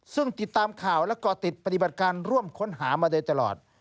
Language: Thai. ซึ่งติดตามข่าวและก่อติดปฏิบัติการร่วมค้นหามาโดยตลอด